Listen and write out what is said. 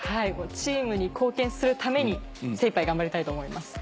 チームに貢献するために精いっぱい頑張りたいと思います。